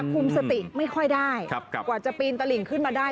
คุมสติไม่ค่อยได้กว่าจะปีนตลิ่งขึ้นมาได้